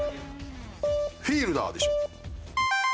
フィールダーでしょ。